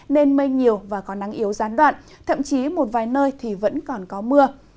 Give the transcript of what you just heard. nên mây nhiều và có nắng yếu gián đoạn thậm chí một vài nơi thì vẫn còn có mưa